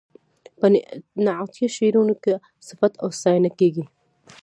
په نعتیه شعرونو کې صفت او ستاینه کیږي.